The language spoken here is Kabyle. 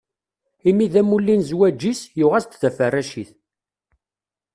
Imi d amulli n zzwaǧ-is, yuɣ-as-d taferracit.